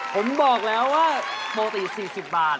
ผมบอกแล้วว่าปกติ๔๐บาท